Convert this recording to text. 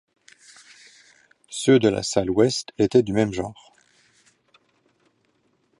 Ceux de la salle Ouest étaient du même genre.